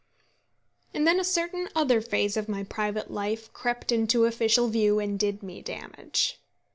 And then a certain other phase of my private life crept into official view, and did me a damage.